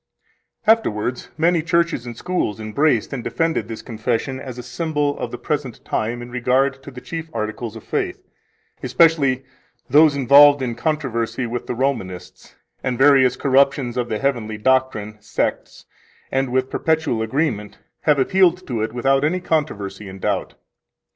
3 Afterwards many churches and schools embraced and defended this Confession as a symbol of the present time in regard to the chief articles of faith, especially those involved in controversy with the Romanists and various corruptions of the heavenly doctrine [sects], and with perpetual agreement have appealed to it without any controversy and doubt.